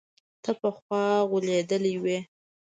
ته پخوا غولېدلى وي.